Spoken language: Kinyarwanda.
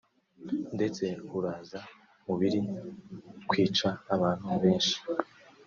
ndetse uraza mu biri mu kwica abantu benshi